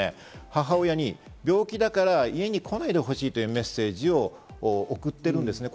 母親に、病気だから家に来ないでほしいというメッセージを送ってるんですね。